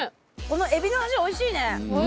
このエビの味おいしいね。